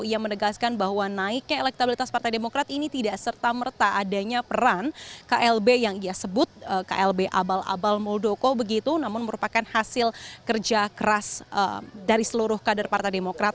ia menegaskan bahwa naiknya elektabilitas partai demokrat ini tidak serta merta adanya peran klb yang ia sebut klb abal abal muldoko begitu namun merupakan hasil kerja keras dari seluruh kader partai demokrat